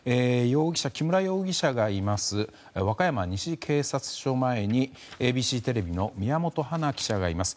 木村容疑者がいます和歌山西警察署前にＡＢＣテレビの宮本華記者がいます。